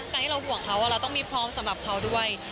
การที่เราห่วงเขาเราต้องมีพร้อมสำหรับเขาด้วย